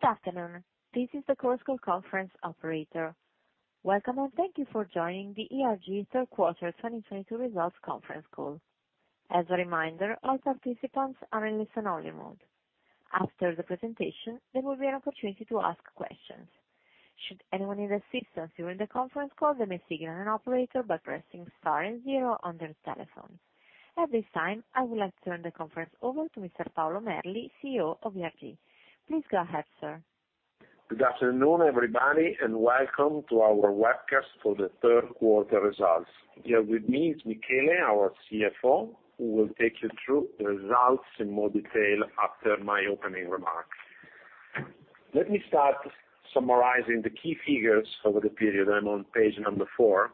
Good afternoon. This is the conference call operator. Welcome, and thank you for joining the ERG third quarter 2022 results conference call. As a reminder, all participants are in listen-only mode. After the presentation, there will be an opportunity to ask questions. Should anyone need assistance during the conference call, they may signal an operator by pressing star and zero on their telephone. At this time, I would like to turn the conference over to Mr. Paolo Merli, CEO of ERG. Please go ahead, sir. Good afternoon, everybody, and welcome to our webcast for the third quarter results. Here with me is Michele, our CFO, who will take you through the results in more detail after my opening remarks. Let me start summarizing the key figures over the period. I'm on page number four.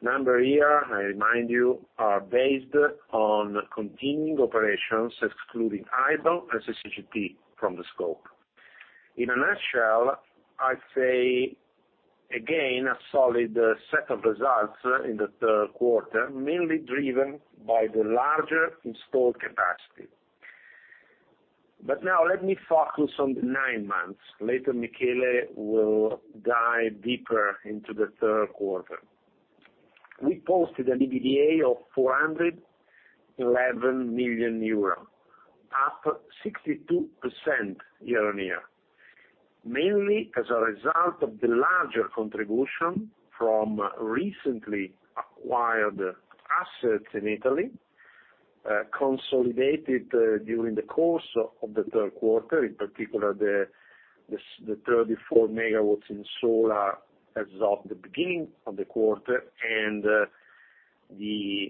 Numbers here, I remind you, are based on continuing operations, excluding ISAB and CCGT from the scope. In a nutshell, I'd say, again, a solid set of results in the third quarter, mainly driven by the larger installed capacity. Now let me focus on the nine months. Later, Michele will dive deeper into the third quarter. We posted an EBITDA of 411 million euros, up 62% year-on-year, mainly as a result of the larger contribution from recently acquired assets in Italy, consolidated during the course of the third quarter, in particular, the 34 MW in solar as of the beginning of the quarter and the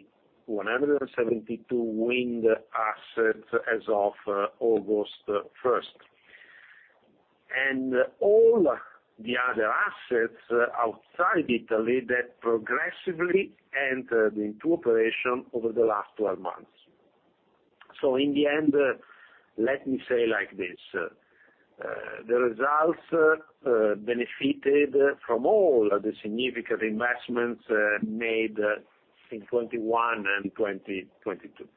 172 wind assets as of August 1. All the other assets outside Italy that progressively entered into operation over the last 12 months. In the end, let me say like this, the results benefited from all the significant investments made in 2021 and 2022.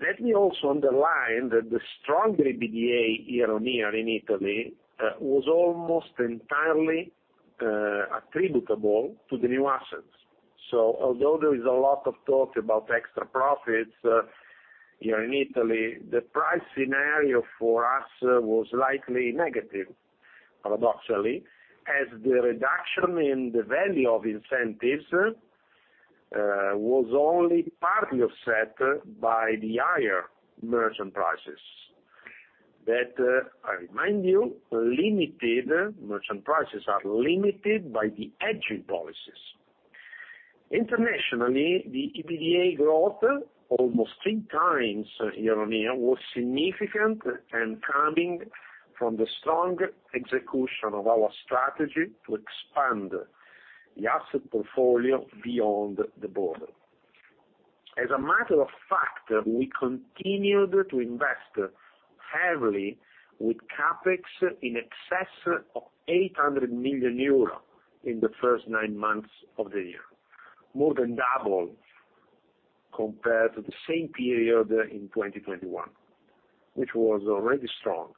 Let me also underline that the stronger EBITDA year-on-year in Italy was almost entirely attributable to the new assets. Although there is a lot of talk about extra profits, here in Italy, the price scenario for us was likely negative, paradoxically, as the reduction in the value of incentives was only partly offset by the higher merchant prices that, I remind you, are limited by the hedging policies. Internationally, the EBITDA growth, almost 3x year-on-year, was significant and coming from the strong execution of our strategy to expand the asset portfolio beyond the border. As a matter of fact, we continued to invest heavily with CapEx in excess of 800 million euro in the first nine months of the year, more than double compared to the same period in 2021, which was already strong.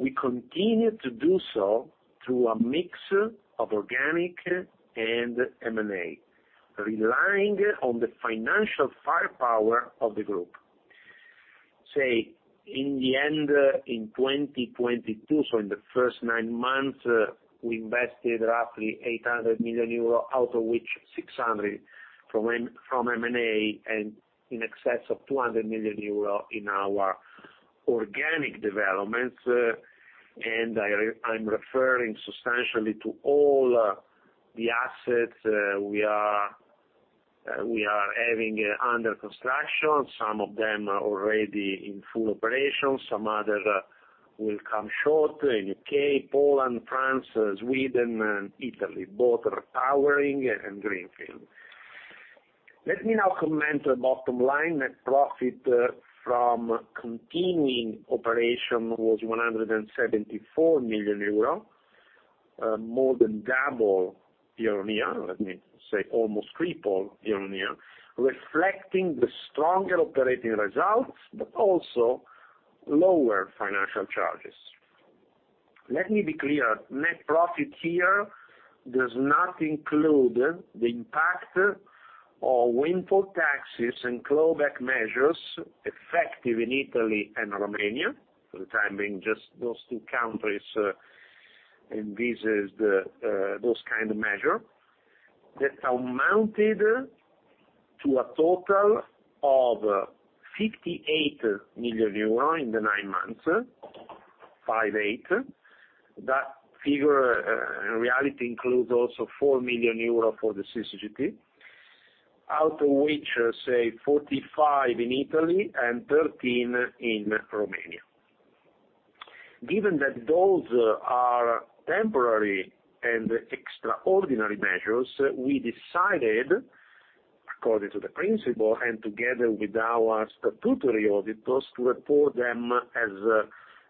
We continued to do so through a mix of organic and M&A, relying on the financial firepower of the group. In the end, in 2022, so in the first nine months, we invested roughly 800 million euro, out of which 600 from M&A and in excess of 200 million euro in our organic developments, and I'm referring substantially to all the assets we are having under construction. Some of them are already in full operation, some others will come shortly in U.K., Poland, France, Sweden, and Italy, both repowering and greenfield. Let me now comment bottom line. Net profit from continuing operation was 174 million euro, more than double year-on-year. Let me say almost triple year-on-year, reflecting the stronger operating results, but also lower financial charges. Let me be clear. Net profit here does not include the impact of windfall taxes and clawback measures effective in Italy and Romania, for the time being, just those two countries, those kind of measure that amounted to a total of 58 million euro in the nine months. That figure, in reality includes also 4 million euro for the CCGT, out of which, say, 45 million in Italy and 13 million in Romania. Given that those are temporary and extraordinary measures, we decided, according to the principle and together with our statutory auditors, to report them as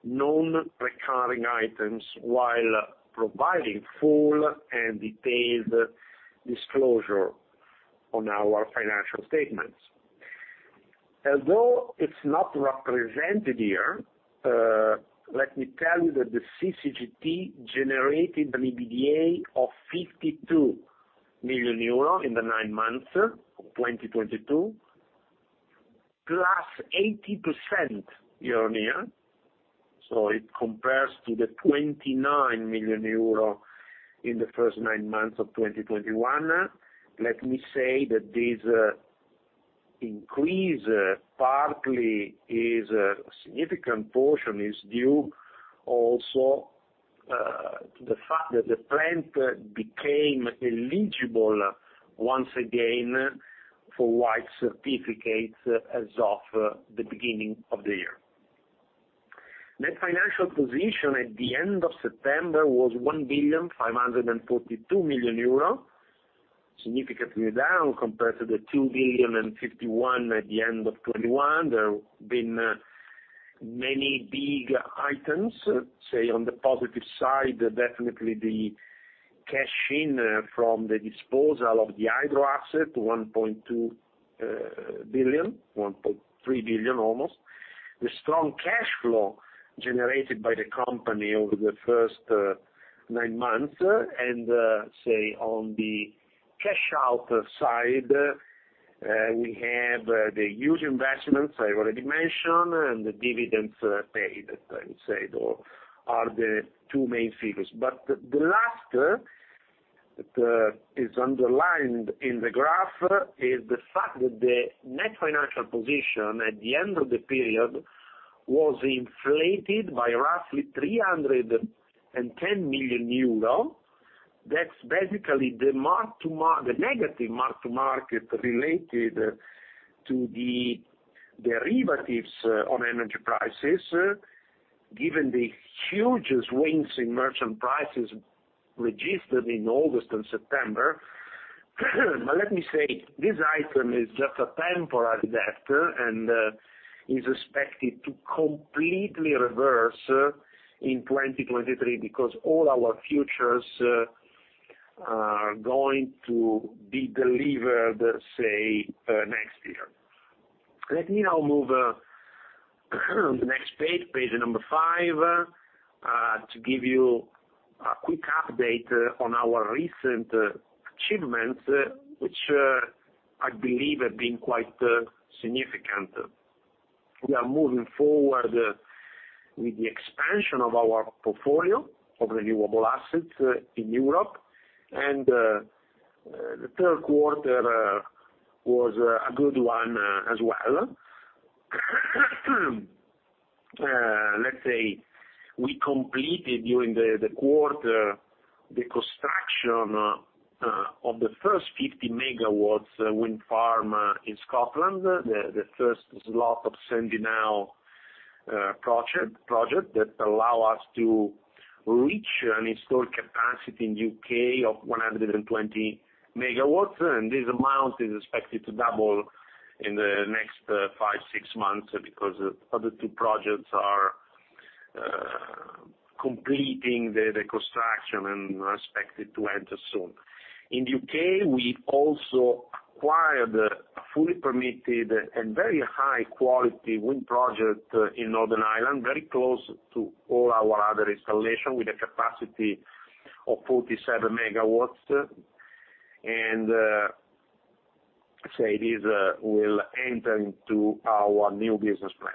non-recurring items while providing full and detailed disclosure. On our financial statements. Although it's not represented here, let me tell you that the CCGT generated an EBITDA of 52 million euro in the nine months of 2022, +80% year-on-year, so it compares to the 29 million euro in the first nine months of 2021. Let me say that this increase, a significant portion is due also to the fact that the plant became eligible once again for white certificates as of the beginning of the year. Net financial position at the end of September was 1,542 million euro, significantly down compared to the 2,051 million at the end of 2021. There have been many big items, say, on the positive side, definitely the cash in from the disposal of the hydro asset, 1.2 billion, almost 1.3 billion. The strong cash flow generated by the company over the first nine months. On the cash out side, we have the huge investments I already mentioned, and the dividends paid, I would say, though, are the two main figures. The last that is underlined in the graph is the fact that the net financial position at the end of the period was inflated by roughly 310 million euro. That's basically the negative mark-to-market related to the derivatives on energy prices, given the huge swings in merchant prices registered in August and September. Let me say, this item is just a temporary debt, and is expected to completely reverse in 2023, because all our futures are going to be delivered next year. Let me now move the next page number five to give you a quick update on our recent achievements, which I believe have been quite significant. We are moving forward with the expansion of our portfolio of renewable assets in Europe. The third quarter was a good one as well. Let's say we completed during the quarter the construction of the first 50 MW wind farm in Scotland, the first slot of Sandy Knowe project that allow us to reach an installed capacity in U.K. of 120 MW. This amount is expected to double in the next 5-6 months because the other two projects are completing the construction and are expected to enter soon. In U.K., we also acquired a fully permitted and very high quality wind project in Northern Ireland, very close to all our other installation, with a capacity of 47 MW. Say, this will enter into our new business plan.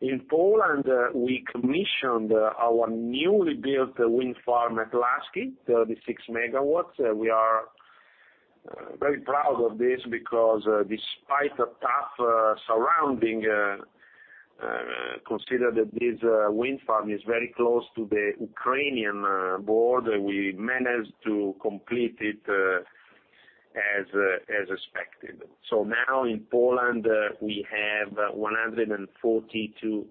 In Poland, we commissioned our newly built wind farm at Laszki, 36 MW. We are very proud of this because despite the tough surrounding, consider that this wind farm is very close to the Ukrainian border, we managed to complete it as expected. Now in Poland, we have 142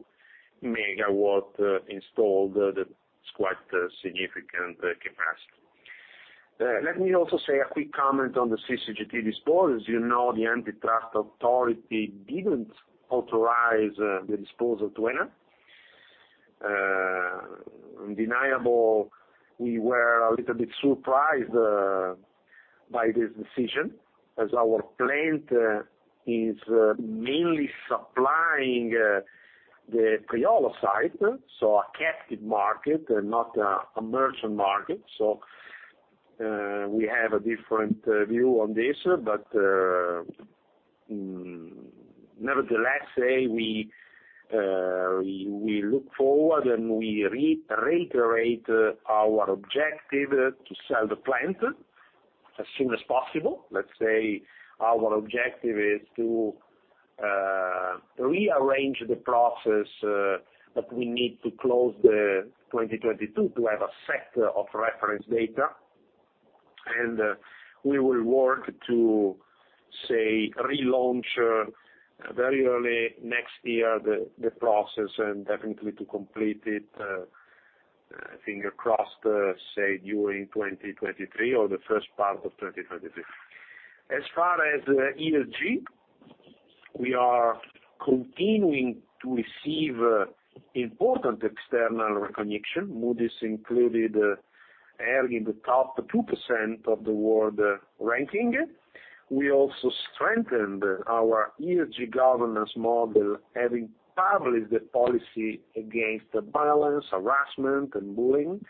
MW installed. That's quite a significant capacity. Let me also say a quick comment on the CCGT disposal. As you know, the antitrust authority didn't authorize the disposal to Enel. Undeniable, we were a little bit surprised by this decision, as our plant is mainly supplying the Priolo site, so a captive market, not a merchant market. We have a different view on this. Nevertheless, we look forward and we reiterate our objective to sell the plant as soon as possible. Let's say our objective is to rearrange the process, but we need to close 2022 to have a set of reference data, and we will work to relaunch very early next year the process and definitely to complete it, fingers crossed, during 2023 or the first part of 2023. As far as ESG, we are continuing to receive important external recognition, Moody's included, ERG in the top 2% of the world ranking. We also strengthened our ESG governance model, having published the policy against violence, harassment, and bullying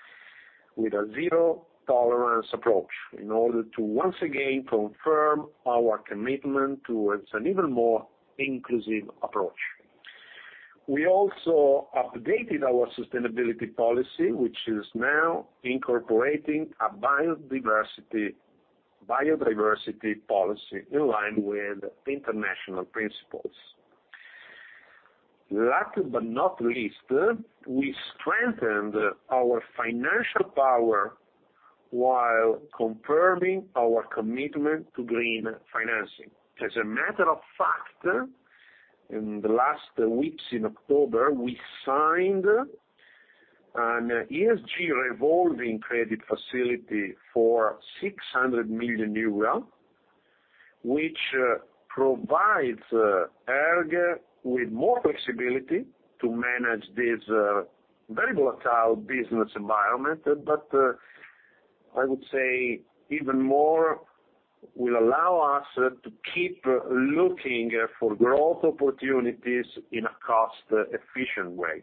with a zero-tolerance approach, in order to once again confirm our commitment towards an even more inclusive approach. We also updated our sustainability policy, which is now incorporating a biodiversity policy in line with international principles. Last but not least, we strengthened our financial power while confirming our commitment to green financing. As a matter of fact, in the last weeks in October, we signed an ESG revolving credit facility for 600 million euro, which provides ERG with more flexibility to manage this very volatile business environment. I would say even more will allow us to keep looking for growth opportunities in a cost-efficient way.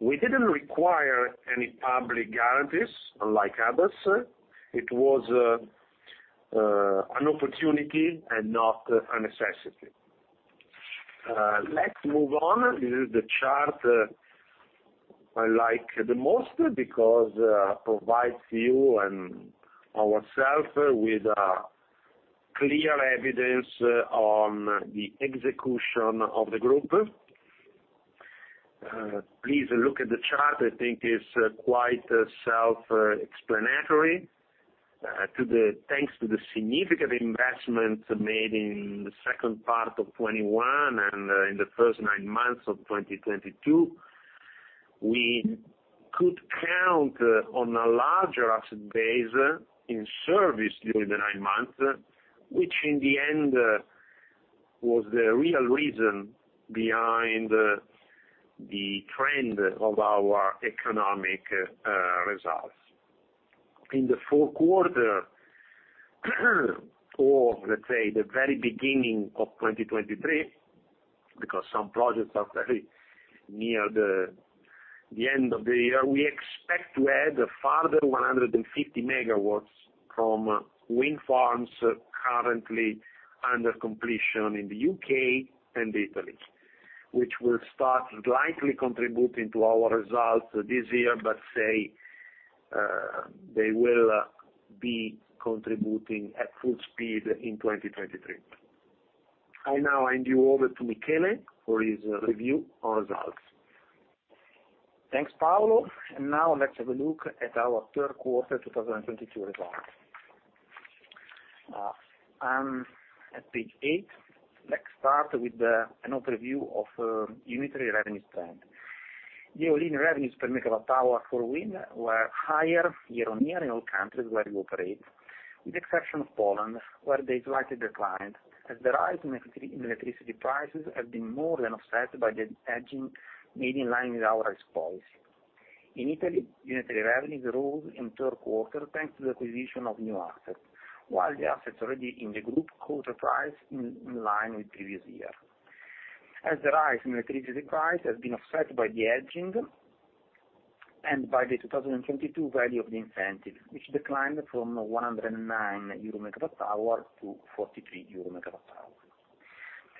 We didn't require any public guarantees unlike others. It was an opportunity and not a necessity. Let's move on. This is the chart I like the most because it provides you and ourself with a clear evidence on the execution of the group. Please look at the chart. I think it's quite self-explanatory. Thanks to the significant investments made in the second part of 2021 and in the first nine months of 2022, we could count on a larger asset base in service during the nine months, which in the end was the real reason behind the trend of our economic results. In the fourth quarter, or let's say the very beginning of 2023, because some projects are clearly near the end of the year, we expect to add a further 150 MW from wind farms currently under completion in the U.K. and Italy, which will start likely contributing to our results this year, but say, they will be contributing at full speed in 2023. I now hand you over to Michele for his review on results. Thanks, Paolo. Now let's have a look at our third quarter 2022 results. I'm at page eight. Let's start with an overview of unitary revenues trend. The all-in revenues per MWh for wind were higher year-on-year in all countries where we operate. With the exception of Poland, where they slightly declined as the rise in electricity prices have been more than offset by the hedging made in line with our exposure. In Italy, unitary revenues rose in third quarter, thanks to the acquisition of new assets, while the assets already in the group got a price in line with previous year. As the rise in electricity price has been offset by the hedging and by the 2022 value of the incentive, which declined from 109 EUR/MWh to 43 EUR/MWh.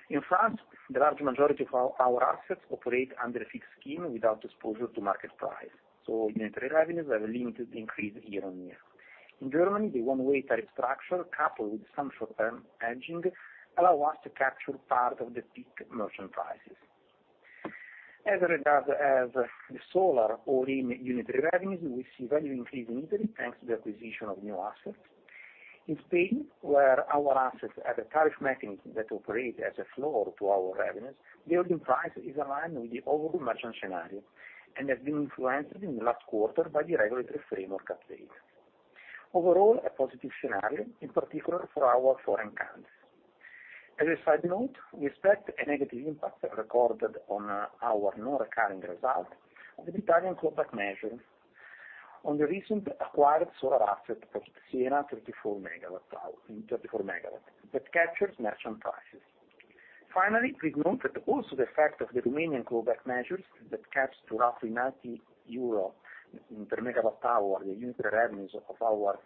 In France, the large majority of our assets operate under a fixed scheme without exposure to market price. Unitary revenues have a limited increase year-on-year. In Germany, the one-way tariff structure, coupled with some short-term hedging, allow us to capture part of the peak merchant prices. As regards the solar all-in unitary revenues, we see value increase in Italy, thanks to the acquisition of new assets. In Spain, where our assets have a tariff mechanism that operate as a floor to our revenues, the all-in price is aligned with the overall merchant scenario and has been influenced in the last quarter by the regulatory framework update. Overall, a positive scenario, in particular for our foreign countries. As a side note, we expect a negative impact recorded on our non-recurring result of the Italian clawback measure on the recent acquired solar asset, Progetto Siena, 34-MW, that captures merchant prices. Finally, we note that also the effect of the Romanian clawback measures that caps to roughly 90 euro per MWh, the unit revenues of our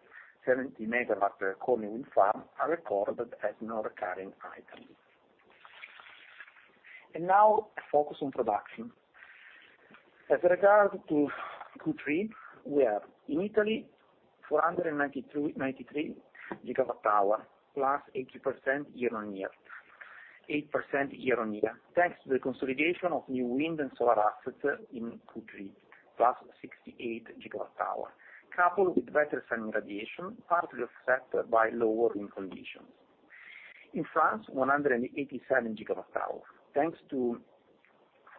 70-MW Corni wind farm, are recorded as non-recurring items. Now a focus on production. As regards Q3, we are in Italy 493 GWh, +80% year-on-year, 8% year-on-year, thanks to the consolidation of new wind and solar assets in Q3, +68 GWh, coupled with better sun irradiation, partly offset by lower wind conditions. In France, 187 GWh, thanks to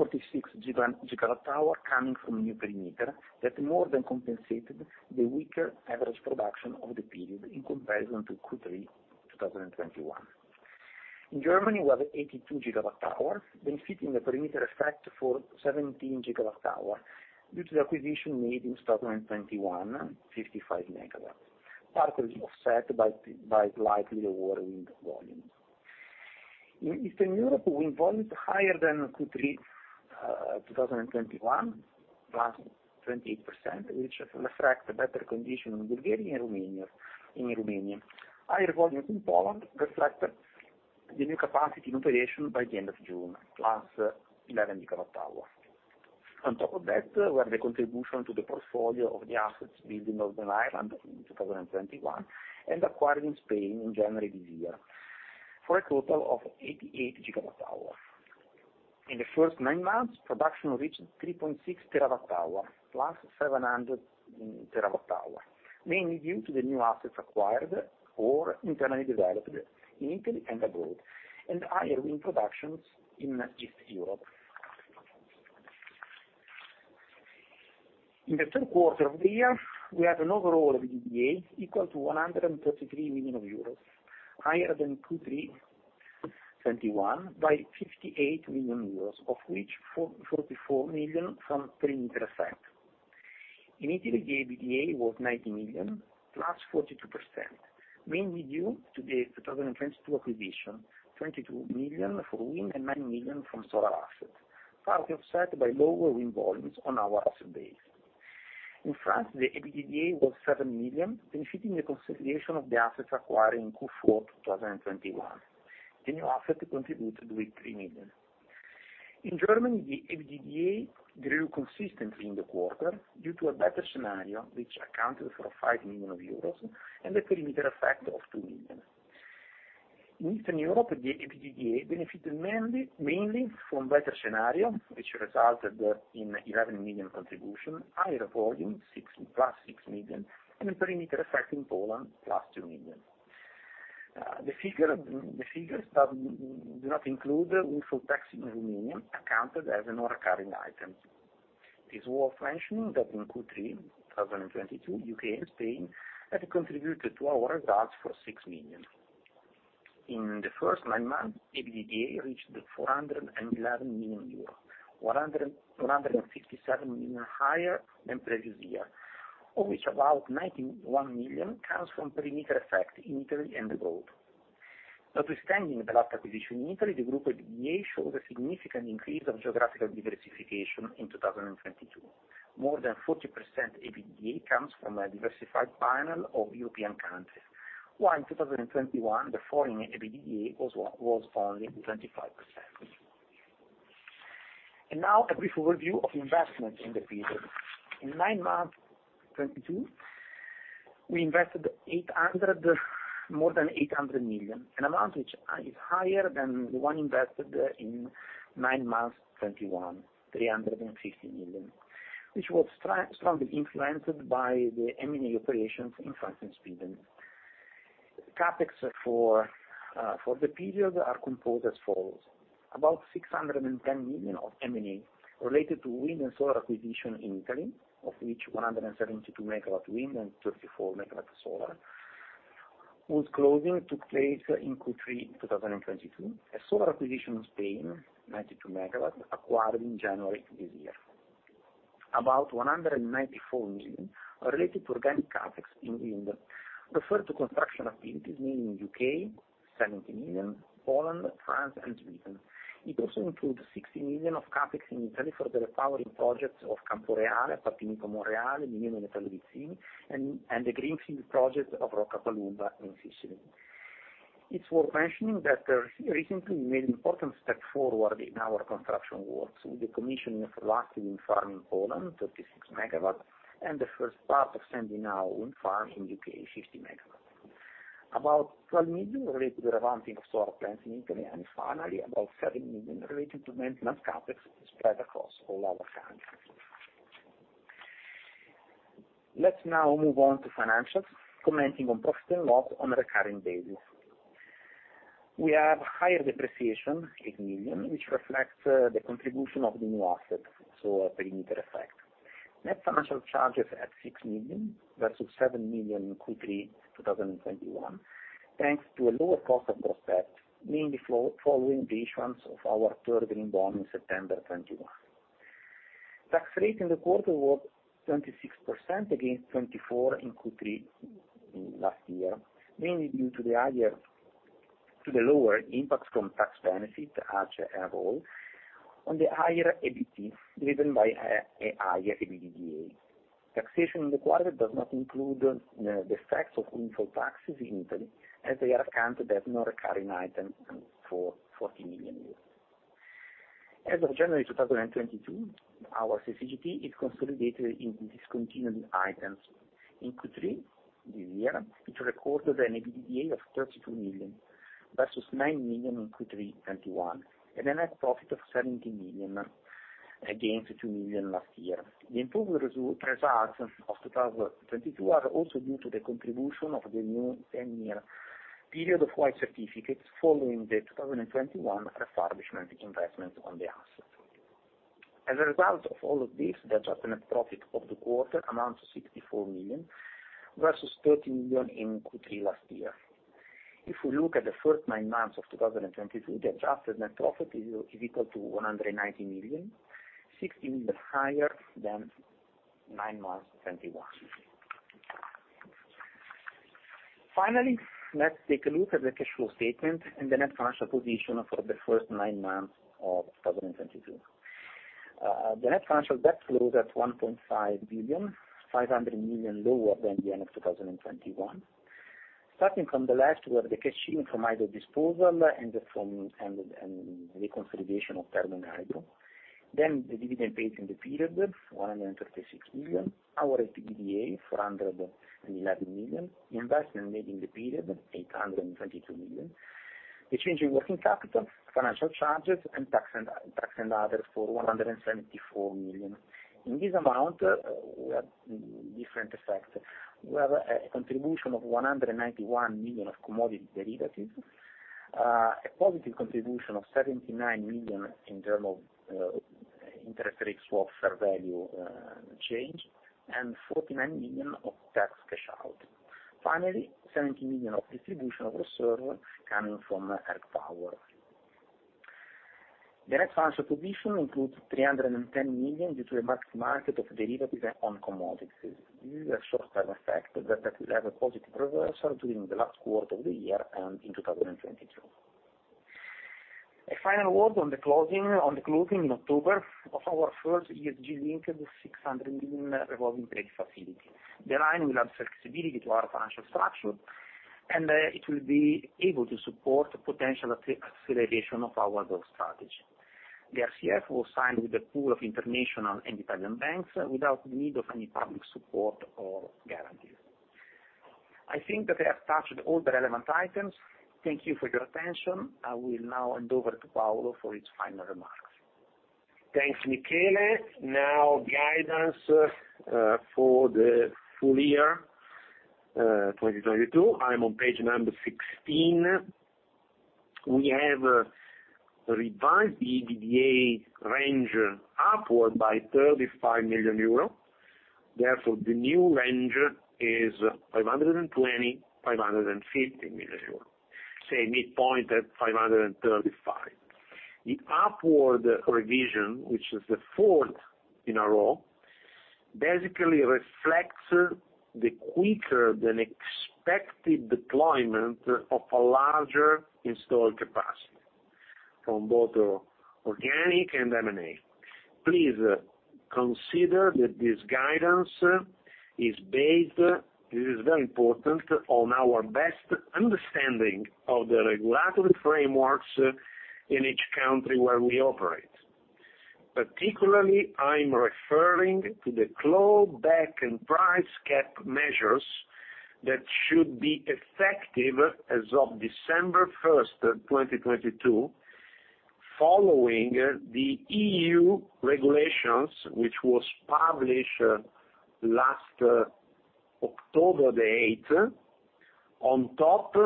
46 GWh coming from new perimeter that more than compensated the weaker average production of the period in comparison to Q3 2021. In Germany, we have 82 GWh benefiting from the perimeter effect for 17 GWh due to the acquisition made in 2021, 55 MW, partly offset by slightly lower wind volumes. In Eastern Europe, wind volumes higher than Q3 2021, +28%, which reflect better conditions in Bulgaria and Romania. Higher volumes in Romania and in Poland reflect the new capacity in operation by the end of June, +11 GWh. On top of that, were the contribution to the portfolio of the assets built in Northern Ireland in 2021 and acquired in Spain in January this year, for a total of 88 GWh. In the first nine months, production reached 3.6 TWh, +700 GWh, mainly due to the new assets acquired or internally developed in Italy and abroad, and higher wind productions in East Europe. In the third quarter of the year, we had an overall EBITDA equal to 133 million euros, higher than Q3 2021 by 58 million euros, of which 44 million from perimeter effect. In Italy, the EBITDA was 90 million, +42%, mainly due to the 2022 acquisition, 22 million for wind and 9 million from solar assets, partly offset by lower wind volumes on our asset base. In France, the EBITDA was 7 million, benefiting the consolidation of the assets acquired in Q4 2021. The new asset contributed with EUR 3 million. In Germany, the EBITDA grew consistently in the quarter due to a better scenario which accounted for 5 million euros and the perimeter effect of 2 million. In Eastern Europe, the EBITDA benefited mainly from better scenario, which resulted in 11 million contribution, higher volume, +6 million, and a perimeter effect in Poland, +2 million. The figures do not include the windfall tax in Romania, accounted as a non-recurring item. It's worth mentioning that in Q3 2022, U.K. and Spain have contributed to our results for 6 million. In the first nine months, EBITDA reached 411 million euros, 157 million higher than previous year, of which about 91 million comes from perimeter effect in Italy and abroad. Notwithstanding the last acquisition in Italy, the group EBITDA showed a significant increase of geographical diversification in 2022. More than 40% EBITDA comes from a diversified panel of European countries, while in 2021, the foreign EBITDA was only 25%. Now, a brief overview of investment in the period. In nine months 2022, we invested more than 800 million, an amount which is higher than the one invested in nine months 2021, 350 million, which was strongly influenced by the M&A operations in France and Sweden. CapEx for the period are composed as follows: About 610 million of M&A related to wind and solar acquisition in Italy, of which 172 MW wind and 34 MW solar, whose closing took place in Q3 2022. A solar acquisition in Spain, 92 MW, acquired in January this year. About 194 million are related to organic CapEx in wind, referred to construction activities, mainly in U.K., 70 million, Poland, France, and Sweden. It also includes 60 million of CapEx in Italy for the repowering projects of Camporeale, Partinico-Monreale, Mineo-Militello-Vizzini, and the greenfield project of Roccapalumba in Sicily. It's worth mentioning that recently, we made an important step forward in our construction works with the commissioning of last wind farm in Poland, 36 MW, and the first part of Sandy Knowe wind farm in U.K., 50 MW. About 12 million related to revamping of solar plants in Italy, and finally, about 7 million related to maintenance CapEx spread across all other countries. Let's now move on to financials, commenting on profit and loss on a recurring basis. We have higher depreciation, EUR 8 million, which reflects the contribution of the new assets, so a perimeter effect. Net financial charges at 6 million versus 7 million in Q3 2021, thanks to a lower cost of debt, mainly following the issuance of our third green bond in September 2021. Tax rate in the quarter was 26% against 24% in Q3 last year, mainly due to the lower impacts from tax benefit, as overall, on the higher EBIT, driven by a higher EBITDA. Taxation in the quarter does not include the effects of windfall taxes in Italy, as they are accounted as non-recurring item for 40 million. As of January 2022, our CCGT is consolidated in discontinued items. In Q3 this year, it recorded an EBITDA of 32 million versus 9 million in Q3 2021, and a net profit of 17 million against 2 million last year. The improved results of 2022 are also due to the contribution of the new ten-year period of white certificates following the 2021 refurbishment investment on the asset. As a result of all of this, the adjusted net profit of the quarter amounts to 64 million, versus 30 million in Q3 last year. If we look at the first nine months of 2022, the adjusted net profit is equal to 190 million, 60 million higher than nine months 2021. Finally, let's take a look at the cash flow statement and the net financial position for the first nine months of 2022. The net financial debt closed at 1.5 billion, 500 million lower than the end of 2021. Starting from the left, we have the cash in from Hydro disposal and the consolidation of term on Hydro. Then the dividend paid in the period, 136 million. Our EBITDA, 411 million. Investment made in the period, 822 million. The change in working capital, financial charges and tax and others for 174 million. In this amount, we have different effects. We have a contribution of 191 million of commodity derivatives, a positive contribution of 79 million in term of interest rate swap fair value change, and 49 million of tax cash out. Finally, 70 million of distribution of reserve coming from ERG Power. The net financial position includes 310 million due to a mark-to-market of derivatives on commodities. This is a short term effect that will have a positive reversal during the last quarter of the year and in 2022. A final word on the closing in October of our first ESG-linked 600 million revolving credit facility. The line will add flexibility to our financial structure, and it will be able to support potential acceleration of our growth strategy. The RCF was signed with a pool of international and Italian banks without need of any public support or guarantee. I think that I have touched all the relevant items. Thank you for your attention. I will now hand over to Paolo for his final remarks. Thanks, Michele. Now guidance for the full year 2022. I am on page 16. We have revised the EBITDA range upward by 35 million euros. Therefore, the new range is 520 million-550 million euros, say midpoint at 535 million. The upward revision, which is the fourth in a row, basically reflects the quicker than expected deployment of a larger installed capacity from both organic and M&A. Please consider that this guidance is based, this is very important, on our best understanding of the regulatory frameworks in each country where we operate. Particularly, I'm referring to the clawback and price cap measures that should be effective as of December 1, 2022, following the EU regulation which was published last October 8, on top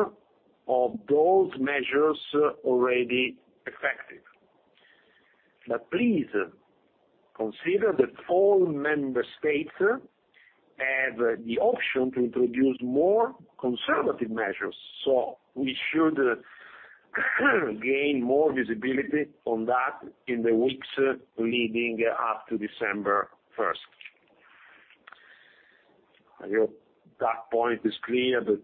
of those measures already effective. Please consider that all member states have the option to introduce more conservative measures, so we should gain more visibility on that in the weeks leading up to December first. I hope that point is clear, but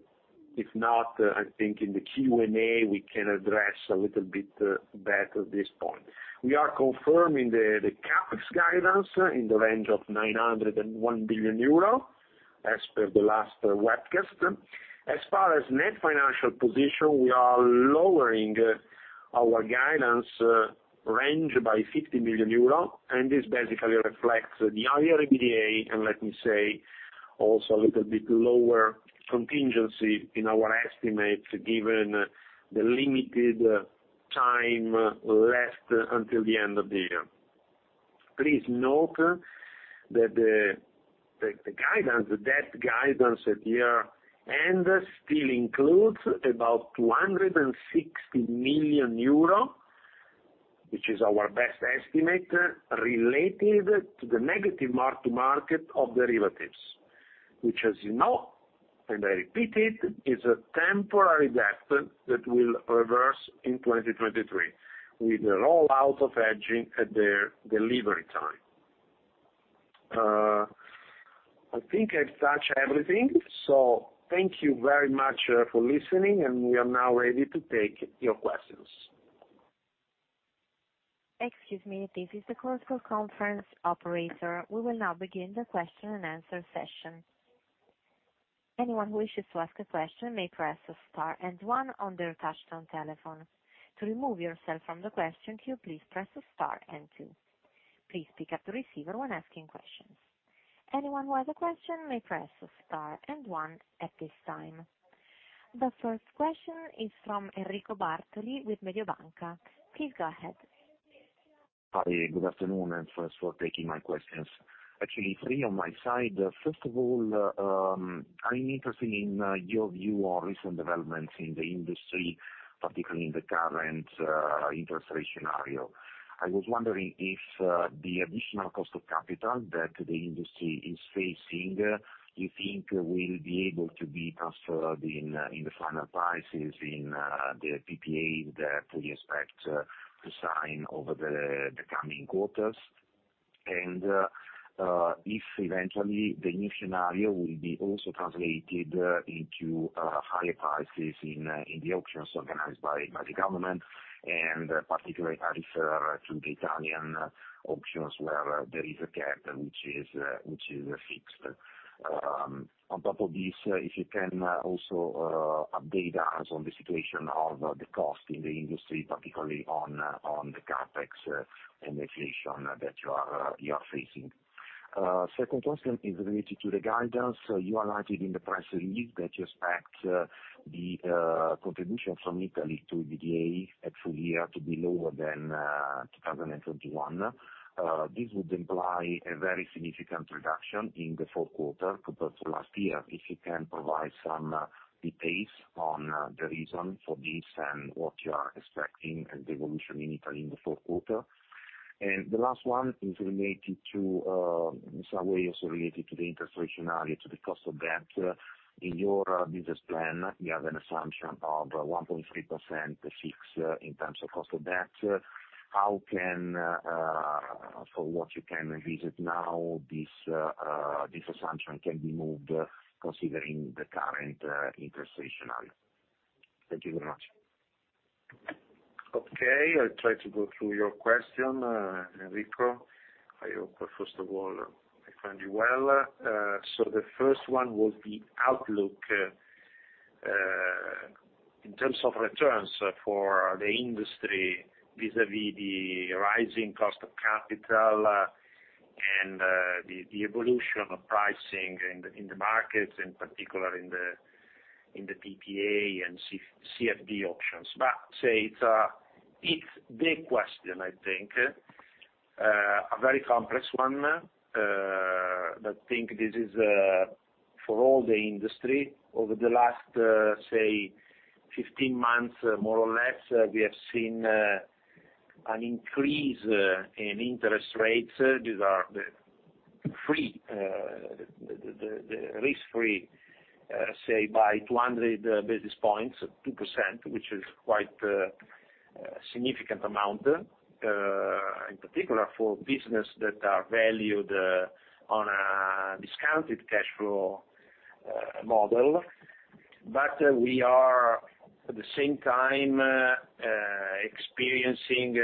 if not, I think in the Q&A, we can address a little bit better this point. We are confirming the CapEx guidance in the range of 901 billion euro, as per the last webcast. As far as net financial position, we are lowering our guidance range by 50 million euro, and this basically reflects the higher EBITDA, and let me say, also a little bit lower contingency in our estimates, given the limited time left until the end of the year. Please note that the debt guidance at year-end still includes about 260 million euro, which is our best estimate, related to the negative mark-to-market of derivatives, which as you know, and I repeat it, is a temporary debt that will reverse in 2023, with the rollout of hedging at the delivery time. I think I've touched everything. Thank you very much for listening, and we are now ready to take your questions. Excuse me. This is the conference operator. We will now begin the question and answer session. Anyone who wishes to ask a question may press star and one on their touch-tone telephone. To remove yourself from the question queue, please press star and two. Please pick up the receiver when asking questions. Anyone who has a question may press star and one at this time. The first question is from Enrico Bartoli with Mediobanca. Please go ahead. Hi, good afternoon, and thanks for taking my questions. Actually three on my side. First of all, I'm interested in your view on recent developments in the industry, particularly in the current interest rate scenario. I was wondering if the additional cost of capital that the industry is facing, do you think will be able to be transferred in the final prices in the PPAs that we expect to sign over the coming quarters? If eventually the new scenario will be also translated into higher prices in the auctions organized by the government, and particularly I refer to the Italian auctions where there is a cap which is fixed. On top of this, if you can also update us on the situation of the cost in the industry, particularly on the CapEx and inflation that you are facing. Second question is related to the guidance. You highlighted in the press release that you expect the contribution from Italy to EBITDA at full year to be lower than 2021. This would imply a very significant reduction in the fourth quarter compared to last year. If you can provide some details on the reason for this and what you are expecting as the evolution in Italy in the fourth quarter. The last one is related to, in some way also related to the interest rate scenario, to the cost of debt. In your business plan, you have an assumption of 1.3% fixed in terms of cost of debt. How can, from what you can revisit now, this assumption can be moved, considering the current interest rate scenario? Thank you very much. Okay, I'll try to go through your question, Enrico. I hope, first of all, I find you well. The first one was the outlook in terms of returns for the industry vis-à-vis the rising cost of capital and the evolution of pricing in the markets, in particular in the PPA and CFD auctions. It's the question, I think. A very complex one, but I think this is for all the industry over the last 15 months, more or less. We have seen an increase in interest rates. These are the risk-free, say by 200 basis points, 2%, which is quite a significant amount in particular for businesses that are valued on a discounted cash flow model. We are at the same time experiencing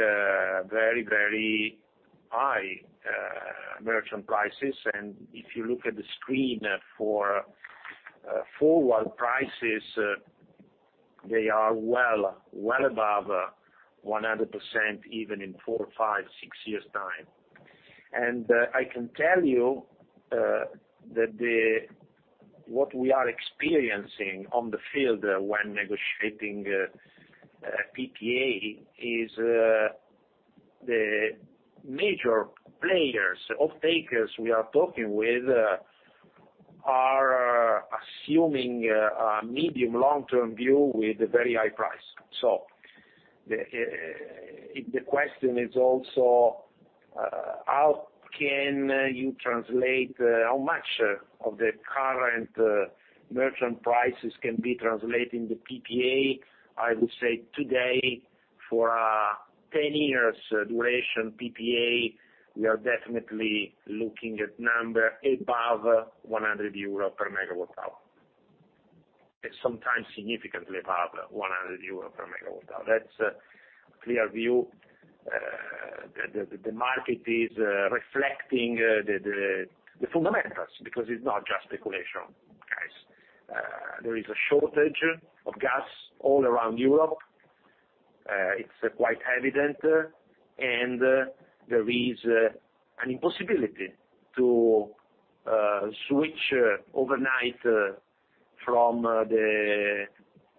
very high merchant prices. If you look at the screen for forward prices, they are well above 100% even in four, five, six years' time. I can tell you that what we are experiencing in the field when negotiating PPA is the major players, off-takers we are talking with are assuming a medium long-term view with a very high price. If the question is also how can you translate how much of the current merchant prices can be translated in the PPA? I would say today, for a 10-year duration PPA, we are definitely looking at number above 100 euro per MWh, and sometimes significantly above 100 euro per MWh. That's a clear view. The market is reflecting the fundamentals, because it's not just speculation, guys. There is a shortage of gas all around Europe. It's quite evident. There is an impossibility to switch overnight from the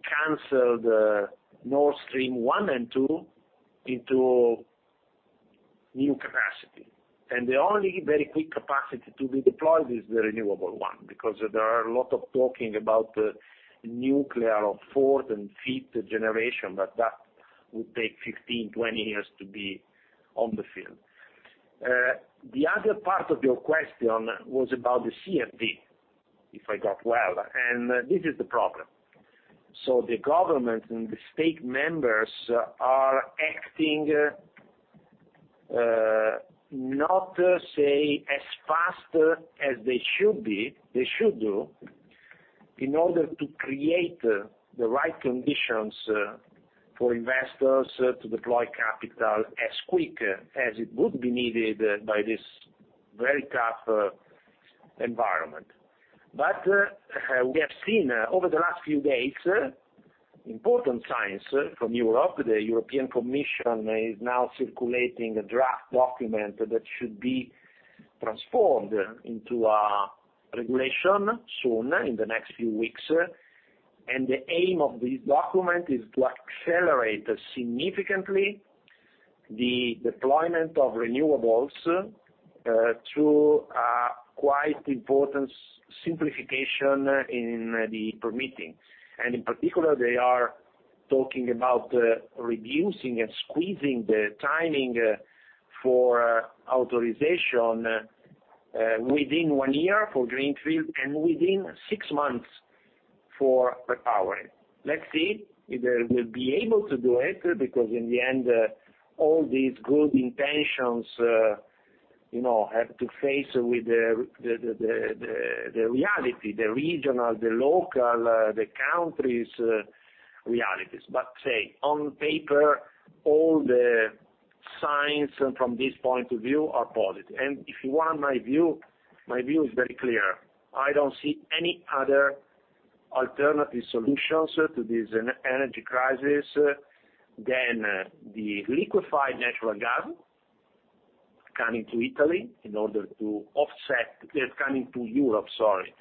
canceled Nord Stream 1 and 2 into new capacity. The only very quick capacity to be deployed is the renewable one, because there are a lot of talking about nuclear of fourth and fifth generation, but that would take 15, 20 years to be on the field. The other part of your question was about the CFD, if I got it well, and this is the problem. The government and the member states are acting not as fast as they should, in order to create the right conditions for investors to deploy capital as quick as it would be needed by this very tough environment. We have seen over the last few days important signs from Europe. The European Commission is now circulating a draft document that should be transformed into a regulation soon in the next few weeks. The aim of this document is to accelerate significantly the deployment of renewables, through a quite important simplification in the permitting. In particular, they are talking about reducing and squeezing the timing for authorization within one year for greenfield and within six months for repowering. Let's see if they will be able to do it, because in the end, all these good intentions, you know, have to face with the reality, the regional, the local, the country's realities. Say, on paper, all the signs from this point of view are positive. If you want my view, my view is very clear. I don't see any other alternative solutions to this energy crisis than the liquefied natural gas coming to Italy in order to offset coming to Europe, sorry,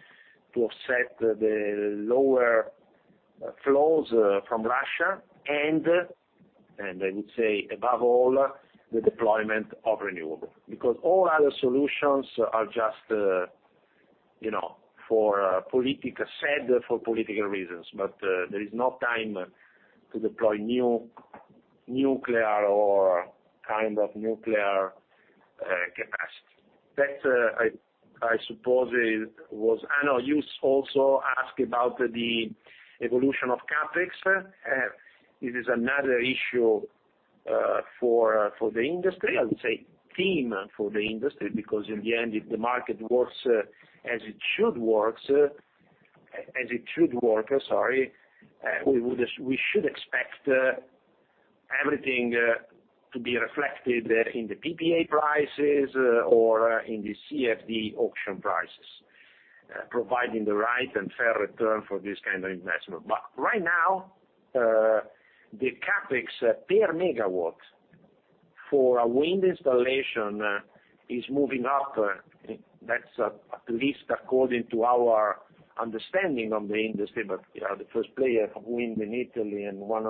to offset the lower flows from Russia, and I would say above all, the deployment of renewable. Because all other solutions are just, you know, for political reasons. There is no time to deploy new nuclear or kind of nuclear capacity. That, I suppose was. Ana, you also asked about the evolution of CapEx. It is another issue for the industry. I would say theme for the industry, because in the end, if the market works as it should work, sorry, we should expect everything to be reflected in the PPA prices or in the CFD auction prices, providing the right and fair return for this kind of investment. Right now, the CapEx per megawatt for a wind installation is moving up. That's at least according to our understanding of the industry. You know, the first player of wind in Italy and one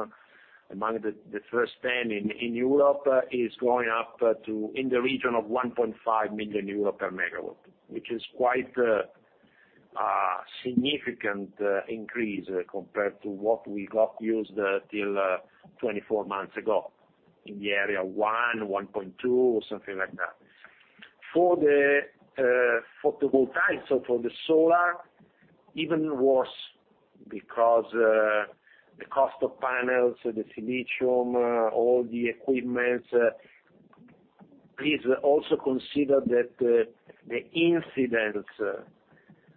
among the first ten in Europe is going up to in the region of 1.5 million euro per megawatt, which is quite a significant increase compared to what we got used till 24 months ago, in the area of 1.2, something like that. For the photovoltaic, so for the solar, even worse, because the cost of panels, the silicon, all the equipment. Please also consider that the incidence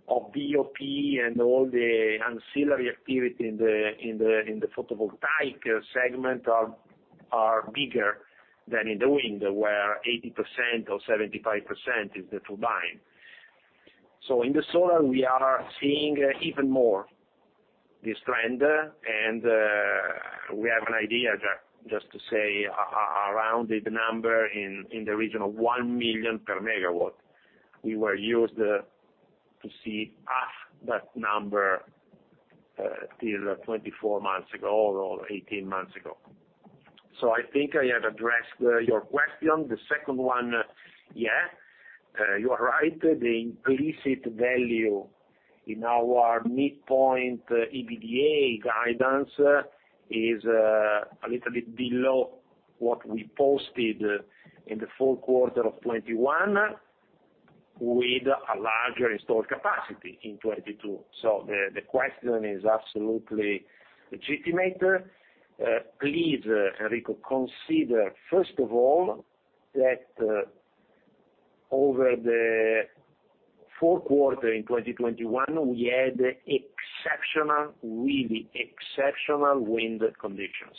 of BoP and all the ancillary activity in the photovoltaic segment are bigger than in the wind, where 80% or 75% is the turbine. In the solar, we are seeing even more this trend. We have an idea, just to say, a rounded number in the region of 1 million per megawatt. We were used to see half that number till 24 months ago or 18 months ago. I think I have addressed your question. The second one, yeah, you are right. The implicit value in our midpoint EBITDA guidance is a little bit below what we posted in the full quarter of 2021, with a larger installed capacity in 2022. The question is absolutely legitimate. Please, Enrico, consider, first of all, that over the fourth quarter in 2021, we had exceptional, really exceptional wind conditions.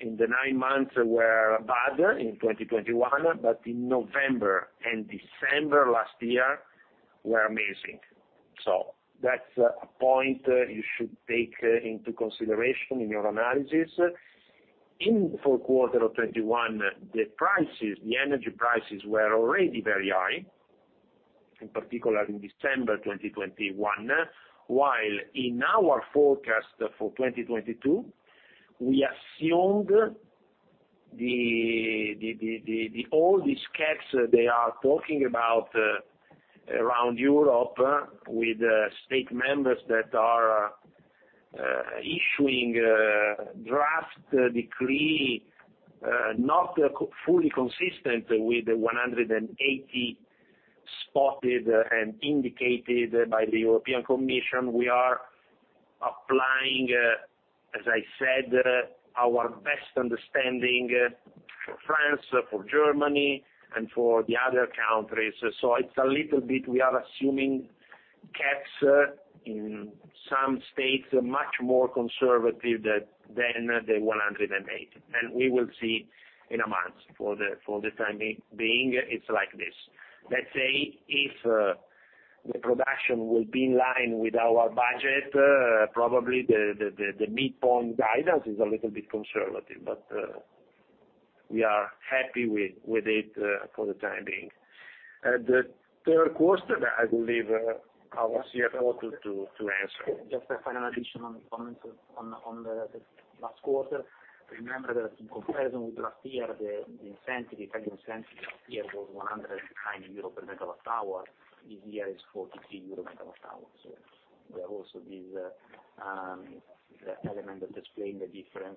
In the nine months were bad in 2021, but in November and December last year were amazing. That's a point you should take into consideration in your analysis. In the fourth quarter of 2021, the prices, the energy prices were already very high, in particular in December 2021, while in our forecast for 2022, we assumed the all these caps they are talking about around Europe with member states that are issuing a draft decree not fully consistent with the 180 adopted and indicated by the European Commission. We are applying, as I said, our best understanding for France, for Germany, and for the other countries. It's a little bit, we are assuming caps in some states much more conservative than the 180, and we will see in a month. For the time being, it's like this. Let's say if the production will be in line with our budget, probably the midpoint guidance is a little bit conservative. We are happy with it for the time being. The third quarter, that I will leave our CFO to answer. Just a final addition, a comment on the last quarter. Remember that in comparison with last year, the Italian incentive last year was 109 euro per megawatt hour. This year is 43 euro MWh. There are also these elements that explain the difference,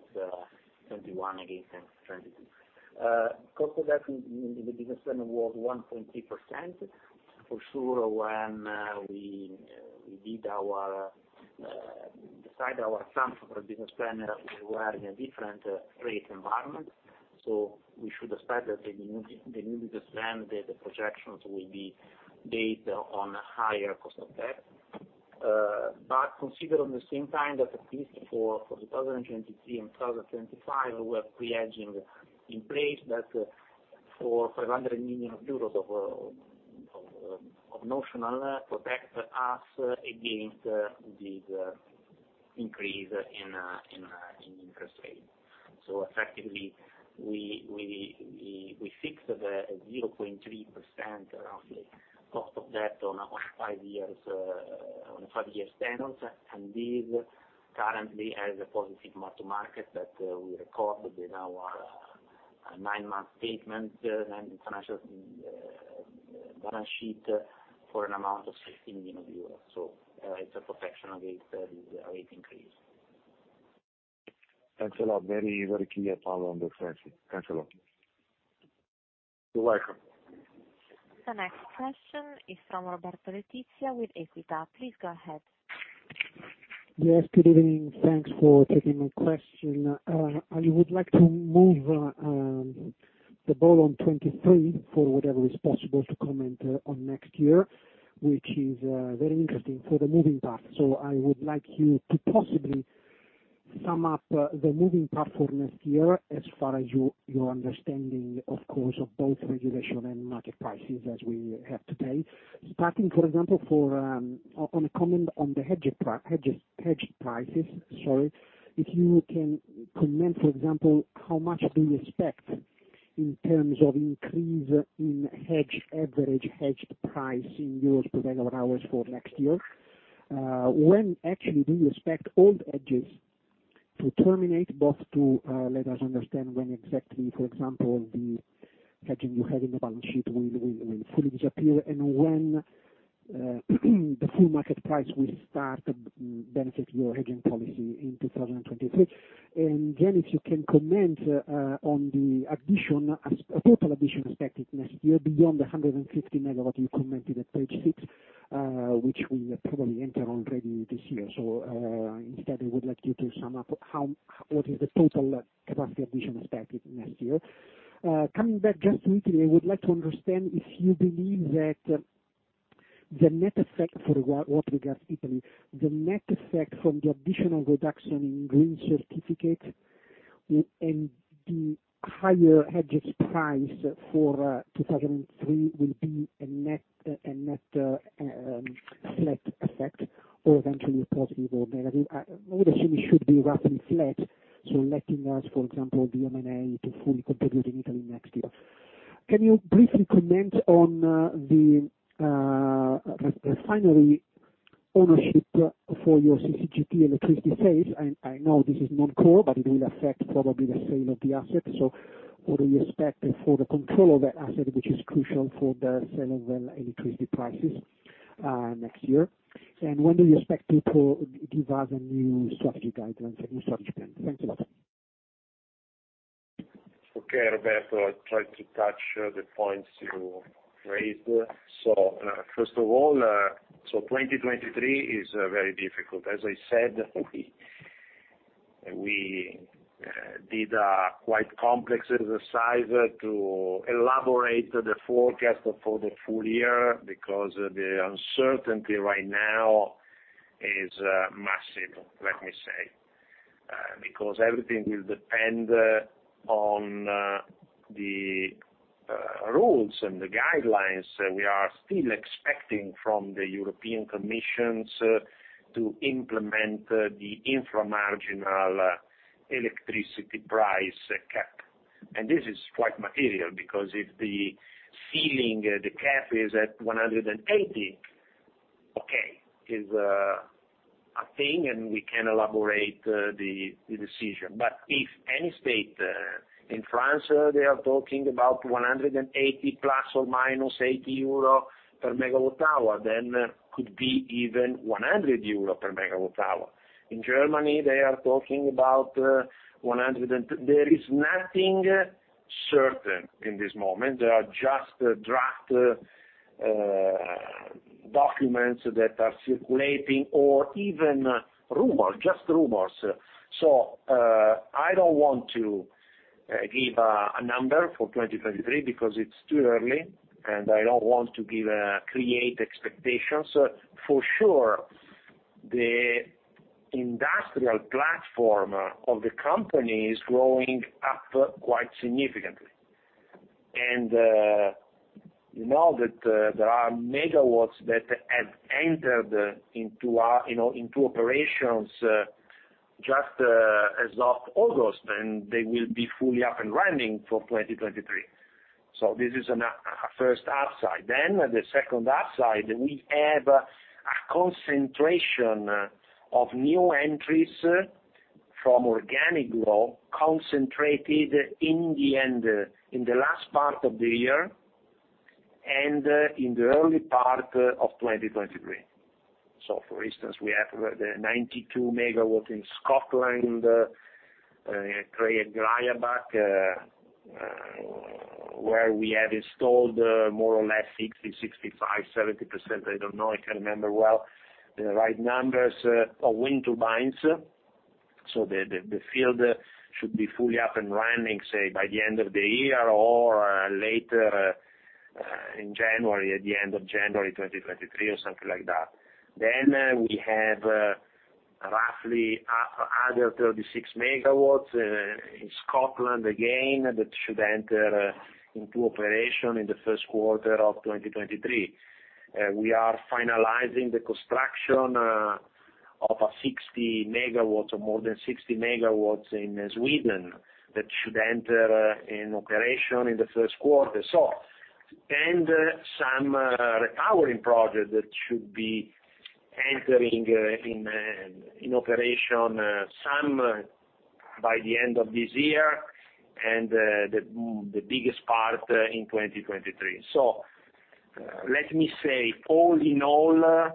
2021 against 2022. Cost of debt in the business plan was 1.3%. For sure, when we decided our terms for business plan, we were in a different rate environment, so we should expect that the new business plan, the projections will be based on higher cost of debt. Consider at the same time that at least for 2023 and 2025, we have pre-hedging in place that for 500 million euros of notional to protect us against the increase in interest rate. Effectively, we fixed the roughly 0.3% cost of debt on a 5-year swaps. This currently has a positive mark-to-market that we recorded in our nine-month financial statements and balance sheet for an amount of 16 million euros. It's a protection against the rate increase. Thanks a lot. Very, very clear. Now I understand. Thanks a lot. You're welcome. The next question is from Roberto Letizia with Equita. Please go ahead. Yes, good evening. Thanks for taking my question. I would like to move the ball on 2023 for whatever is possible to comment on next year, which is very interesting for the moving parts. I would like you to possibly sum up the moving parts for next year as far as your understanding, of course, of both regulation and market prices as we have today. Starting, for example, on a comment on the hedged prices, sorry. If you can comment, for example, how much do you expect in terms of increase in average hedged price in EUR per megawatt hours for next year? When actually do you expect all the hedges to terminate, to let us understand when exactly, for example, the hedging you have in the balance sheet will fully disappear and when the full market price will start benefit your hedging policy in 2023. Then if you can comment on the total addition expected next year beyond the 150 MW you commented at page six, which we probably enter already this year. Instead, I would like you to sum up what is the total capacity addition expected next year. Coming back just quickly, I would like to understand if you believe that the net effect for what regards Italy, the net effect from the additional reduction in green certificates and the higher hedges price for 2023 will be a net flat effect or eventually positive or negative. I would assume it should be roughly flat, so letting us, for example, the M&A to fully contribute in Italy next year. Can you briefly comment on the refinery ownership for your CCGT electricity sales? I know this is non-core, but it will affect probably the sale of the assets. What do you expect for the control of that asset, which is crucial for the sale of the electricity prices next year? When do you expect to give us a new strategy guidelines and new strategy plan? Thank you. Okay, Roberto, I try to touch the points you raised. First of all, 2023 is very difficult. As I said, we did a quite complex exercise to elaborate the forecast for the full year because the uncertainty right now is massive, let me say. Everything will depend on the rules and the guidelines we are still expecting from the European Commission to implement the infra-marginal electricity price cap. This is quite material because if the ceiling, the cap is at 180, okay, is a thing and we can elaborate the decision. If any state in France, they are talking about 180 ± 80 euro per MWh, then could be even 100 euro per MWh. In Germany, they are talking about. There is nothing certain in this moment. There are just draft documents that are circulating or even rumors, just rumors. I don't want to give a number for 2023 because it's too early and I don't want to create expectations. For sure, the industrial platform of the company is growing up quite significantly. You know that there are megawatts that have entered into you know, into operations just as of August, and they will be fully up and running for 2023. This is a first upside. The second upside, we have a concentration of new entries from organic growth concentrated in the last part of the year and in the early part of 2023. For instance, we have the 92 MW in Scotland, Creag Riabhach, where we have installed more or less 60, 65, 70%, I don't know, I can't remember well the right numbers, of wind turbines. The field should be fully up and running, say, by the end of the year or later, in January, at the end of January 2023, or something like that. We have roughly another 36 MW in Scotland again, that should enter into operation in the first quarter of 2023. We are finalizing the construction of a 60 MW, or more than 60 MW in Sweden that should enter in operation in the first quarter. Some repowering projects that should be entering in operation, some by the end of this year and the biggest part in 2023. Let me say, all in all,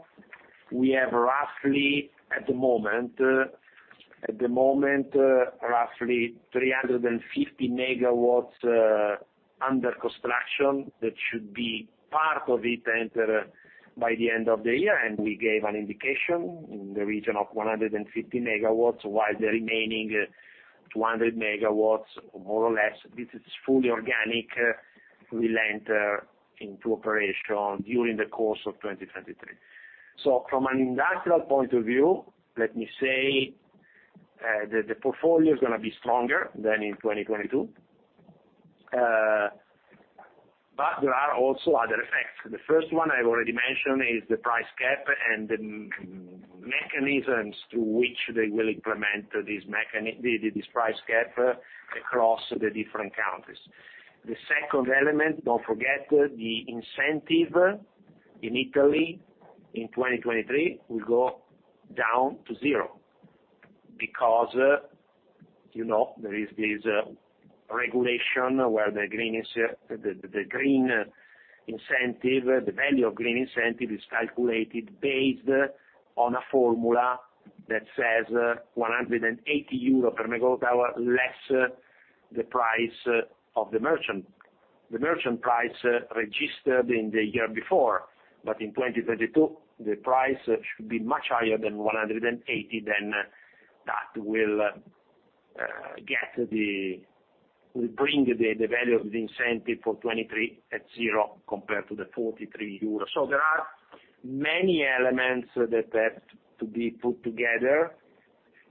we have roughly at the moment 350 MW under construction that should be part of it enter by the end of the year. We gave an indication in the region of 150 MW, while the remaining 200 MW, more or less, this is fully organic, will enter into operation during the course of 2023. From an industrial point of view, let me say, the portfolio is going to be stronger than in 2022. There are also other effects. The first one I already mentioned is the price cap and the mechanisms through which they will implement this price cap across the different countries. The second element, don't forget the incentive in Italy in 2023 will go down to zero. Because, you know, there is this regulation where the green incentive, the value of green incentive is calculated based on a formula that says 180 euro per megawatt hour, less the price of the merchant. The merchant price registered in the year before. In 2022, the price should be much higher than 180, then that will bring the value of the incentive for 2023 at zero compared to the 43 euro. There are many elements that have to be put together.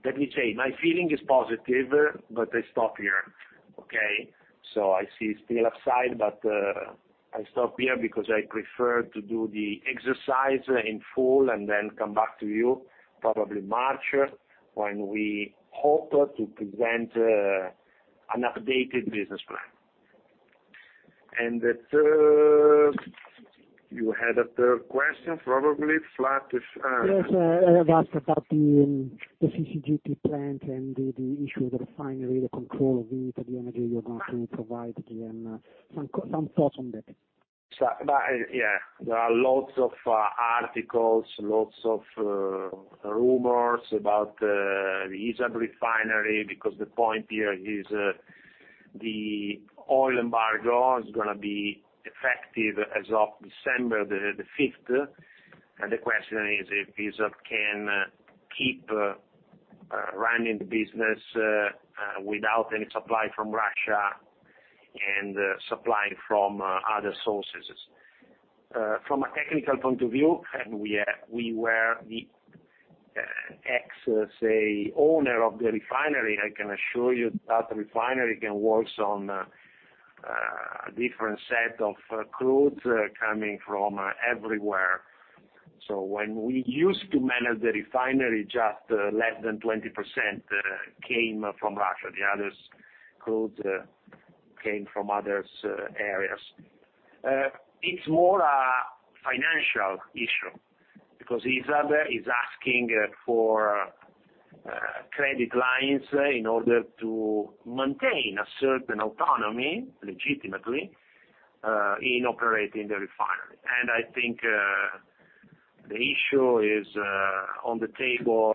Let me say, my feeling is positive, but I stop here, okay? I see still upside, but I stop here because I prefer to do the exercise in full and then come back to you probably March, when we hope to present an updated business plan. You had a third question, probably flat- Yes. I have asked about the CCGT plant and the issue of the refinery, the control of it, the energy you're going to provide, and some thoughts on that. There are lots of articles, lots of rumors about the ISAB refinery, because the point here is the oil embargo is going to be effective as of December the fifth. The question is if ISAB can keep running the business without any supply from Russia and supply from other sources. From a technical point of view, we were the ex-owner of the refinery. I can assure you that refinery can work on a different set of crude coming from everywhere. When we used to manage the refinery, just less than 20% came from Russia. The other crude came from other areas. It's more a financial issue because ISAB is asking for credit lines in order to maintain a certain autonomy, legitimately, in operating the refinery. I think the issue is on the table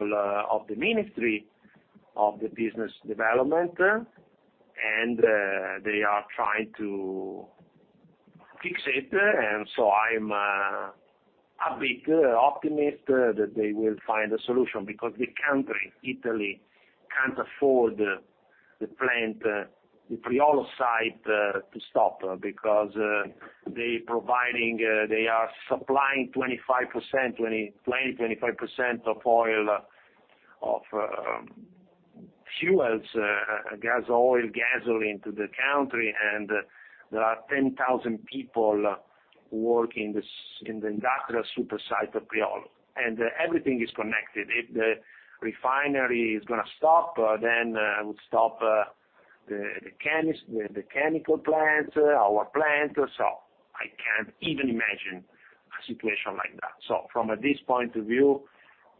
of the Ministry of Economic Development, and they are trying to fix it. I'm a bit optimistic that they will find a solution because the country, Italy, can't afford the plant, the Priolo site to stop, because they are supplying 25% of all fuels, gas oil, gasoline to the country, and there are 10,000 people working in this industrial super site of Priolo. Everything is connected. If the refinery is gonna stop, it will stop the chemical plants, our plant. I can't even imagine a situation like that. From this point of view,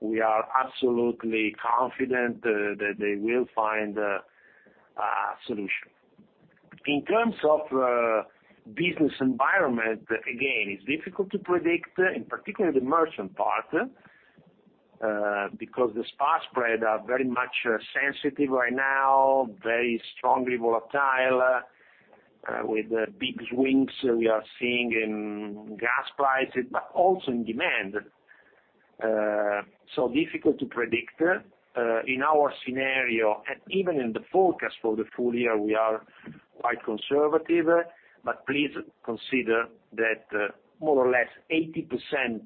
we are absolutely confident that they will find a solution. In terms of business environment, again, it's difficult to predict, in particular the merchant part, because the spot spreads are very much sensitive right now, very strongly volatile, with big swings we are seeing in gas prices, but also in demand. Difficult to predict. In our scenario, even in the forecast for the full year, we are quite conservative, but please consider that more or less 80%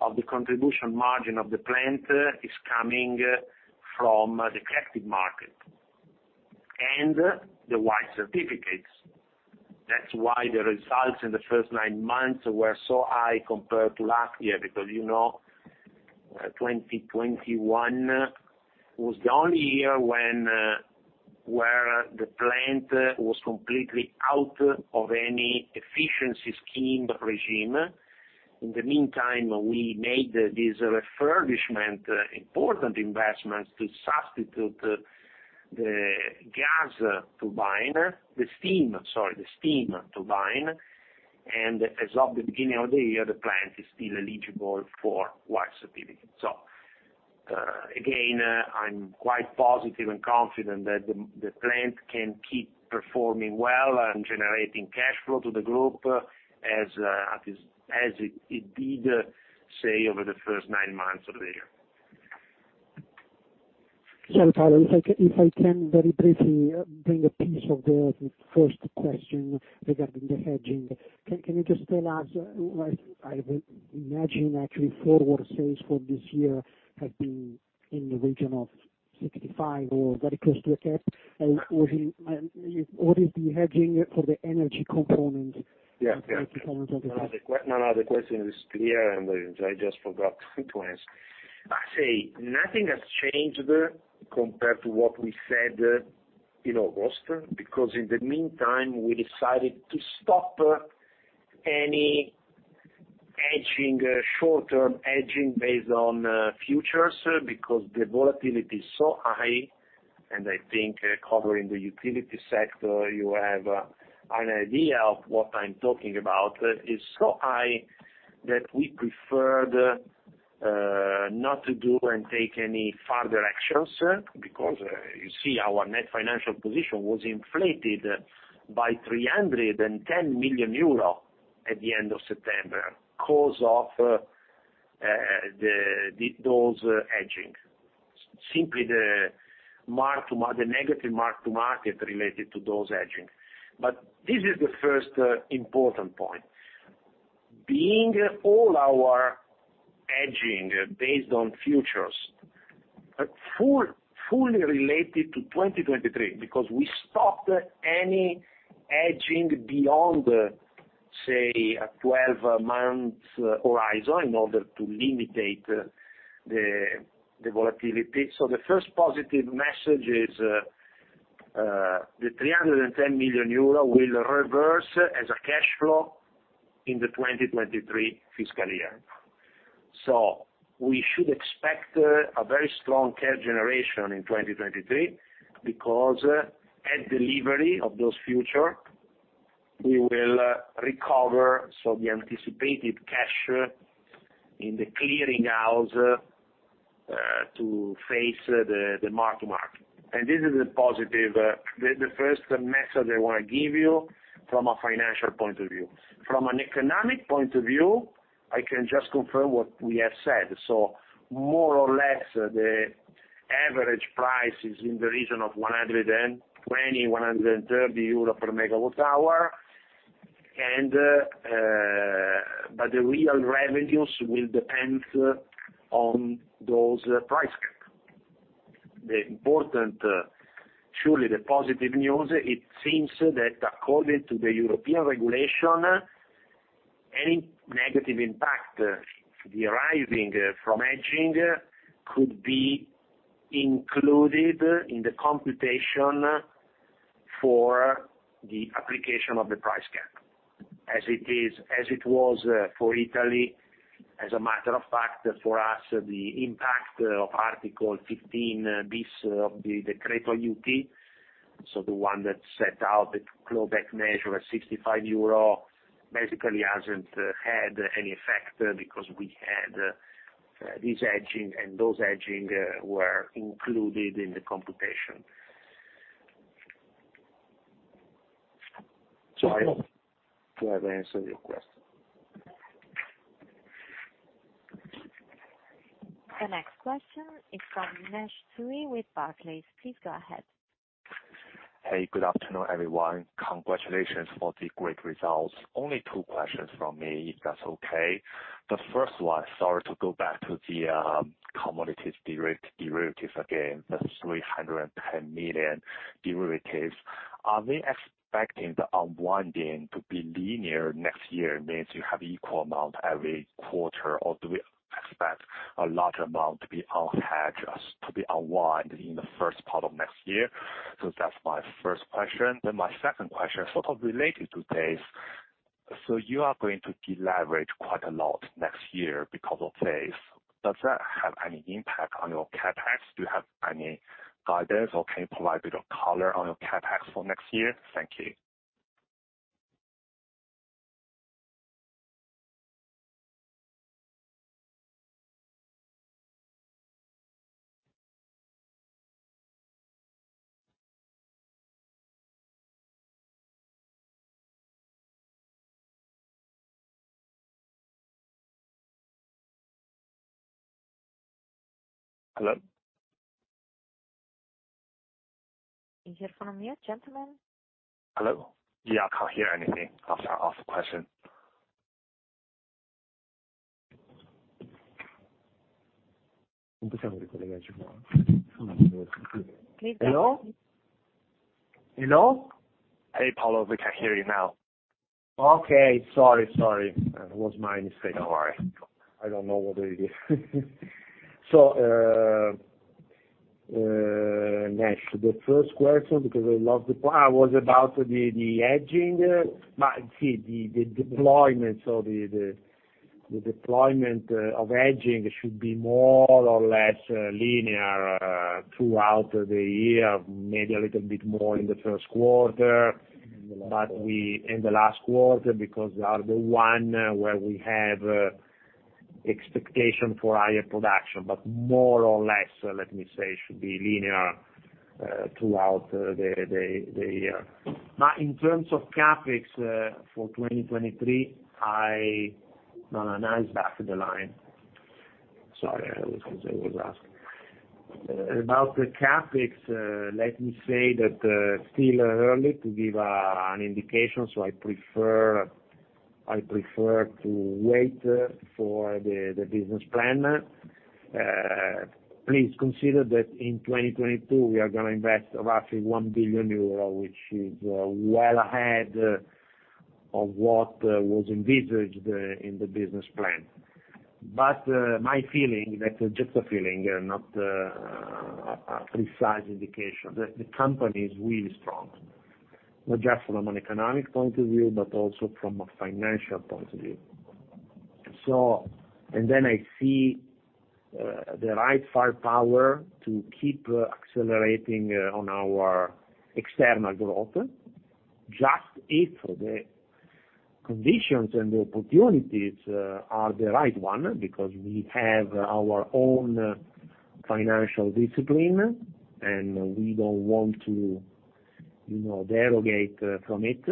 of the contribution margin of the plant is coming from the capacity market and the white certificates. That's why the results in the first nine months were so high compared to last year, because, you know, 2021 was the only year when, where the plant was completely out of any efficiency scheme regime. In the meantime, we made this refurbishment, important investments to substitute the gas turbine, the steam turbine. As of the beginning of the year, the plant is still eligible for white certificate. Again, I'm quite positive and confident that the plant can keep performing well and generating cash flow to the group as it did, say, over the first nine months of the year. Sorry, Paolo, if I can very briefly bring a piece of the first question regarding the hedging. Can you just tell us what I imagine actually forward sales for this year have been in the region of 65 or very close to a cap. What is the hedging for the energy component? Yeah. The energy component of the- No, the question is clear, and I just forgot to answer. I say nothing has changed compared to what we said in August, because in the meantime, we decided to stop any hedging, short-term hedging based on futures because the volatility is so high, and I think covering the utility sector, you have an idea of what I'm talking about. It's so high that we preferred not to do and take any further actions, because you see our net financial position was inflated by 310 million euro at the end of September because of those hedging. Simply the negative mark-to-market related to those hedging. This is the first important point. Being all our hedging based on futures, fully related to 2023, because we stopped any hedging beyond, say, a twelve-month horizon in order to limit the volatility. The first positive message is, the 310 million euro will reverse as a cash flow in the 2023 fiscal year. We should expect a very strong cash generation in 2023 because at delivery of those futures, we will recover some of the anticipated cash in the clearing house to face the mark-to-market. This is a positive, the first message I want to give you from a financial point of view. From an economic point of view, I can just confirm what we have said. More or less, the average price is in the region of 120-130 euro per MWh, and but the real revenues will depend on those price cap. The important, surely the positive news, it seems that according to the European regulation, any negative impact deriving from hedging could be included in the computation for the application of the price cap, as it is, as it was for Italy. As a matter of fact, for us, the impact of Article 15-bis of the Decreto Aiuti, so the one that set out the clawback measure of 65 euro, basically hasn't had any effect because we had this hedging, and those hedging were included in the computation. I hope to have answered your question. The next question is from Nassib Boueri with Barclays. Please go ahead. Hey, good afternoon, everyone. Congratulations for the great results. Only two questions from me, if that's okay. The first one, sorry to go back to the commodities derivatives again, the 310 million derivatives. Are we expecting the unwinding to be linear next year? It means you have equal amount every quarter, or do we expect a large amount to be unhedged, to be unwind in the first part of next year? That's my first question. My second question, sort of related to this. You are going to deleverage quite a lot next year because of this. Does that have any impact on your CapEx? Do you have any guidance, or can you provide a bit of color on your CapEx for next year? Thank you. Hello? Can you hear me, gentlemen? Hello? Yeah, I can't hear anything after I asked the question. Please go ahead. Hello? Hello? Hey, Paolo, we can hear you now. Okay. Sorry. It was my mistake. Don't worry. I don't know what it is. Nassib, the first question, because I love the plan, was about the hedging. See, the deployment of hedging should be more or less linear throughout the year. Maybe a little bit more in the first quarter, in the last quarter because they are the one where we have expectation for higher production. More or less, let me say, it should be linear throughout the year. Now, in terms of CapEx for 2023, No, now he's back to the line. Sorry, I was asking. About the CapEx, let me say that, still early to give an indication, so I prefer to wait for the business plan. Please consider that in 2022, we are gonna invest roughly 1 billion euro, which is well ahead of what was envisaged in the business plan. My feeling, that's just a feeling and not a precise indication, the company is really strong. Not just from an economic point of view, but also from a financial point of view. I see the right firepower to keep accelerating on our external growth, just if the conditions and the opportunities are the right ones, because we have our own financial discipline, and we don't want to, you know, deviate from it.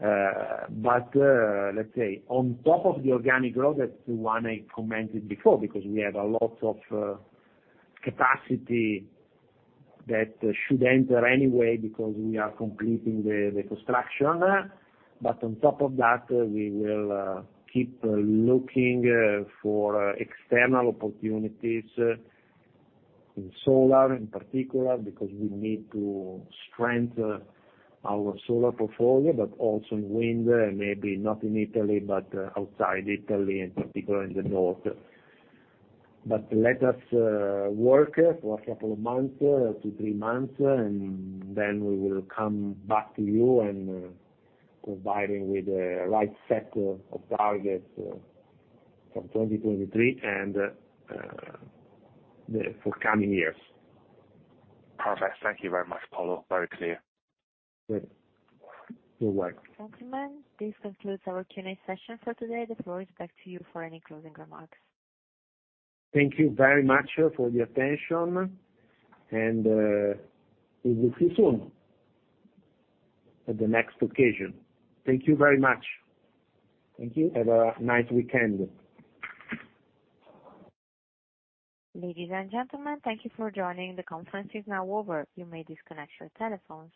Let's say on top of the organic growth, that's the one I commented before, because we have a lot of capacity that should enter anyway because we are completing the construction. On top of that, we will keep looking for external opportunities in solar, in particular, because we need to strengthen our solar portfolio, but also in wind, maybe not in Italy, but outside Italy, and particularly in the north. Let us work for a couple of months to three months, and then we will come back to you and providing with the right set of targets for 2023 and for coming years. Perfect. Thank you very much, Paolo. Very clear. Good. You're welcome. Gentlemen, this concludes our Q&A session for today. The floor is back to you for any closing remarks. Thank you very much for the attention, and we will see you soon at the next occasion. Thank you very much. Thank you. Have a nice weekend. Ladies and gentlemen, thank you for joining. The conference is now over. You may disconnect your telephones.